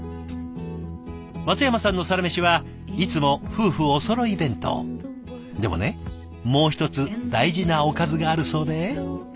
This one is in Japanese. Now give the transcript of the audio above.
松山さんのサラメシはいつもでもねもう一つ大事なおかずがあるそうで。